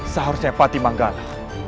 seharusnya pati manggala